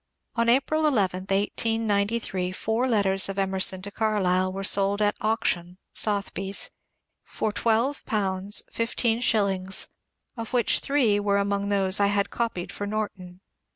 On April 11, 1893, four letters of Emerson to Carlyle were sold at auction (Sotheby's) for twelve pounds fifteen shillings, of which three were among those I had copied for Norton.